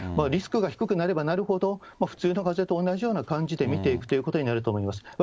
リスクが低くなればなるほど、普通のかぜと同じような感じで診ていくということになると思います。